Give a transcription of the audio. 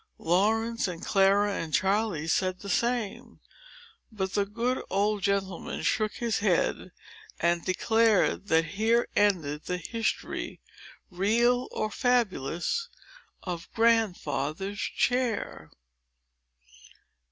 Laurence, and Clara, and Charley, said the same. But the good old gentleman shook his head, and declared that here ended the history, real or fabulous, of GRANDFATHER'S CHAIR.